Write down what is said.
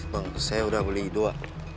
bang saya udah beli dua